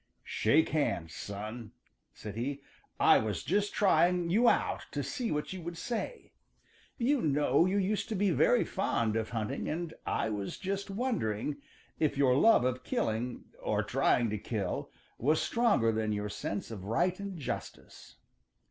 "Shake hands, son," said he. "I was just trying you out to see what you would say. You know you used to be very fond of hunting, and I was just wondering if your love of killing, or trying to kill, was stronger than your sense of right and justice.